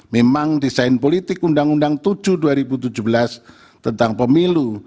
memang desain politik undang undang tujuh dua ribu tujuh belas tentang pemilu